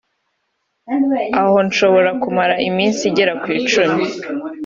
aho nshobora kumara iminsi igera ku icumi